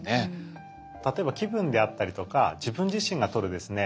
例えば気分であったりとか自分自身がとるですね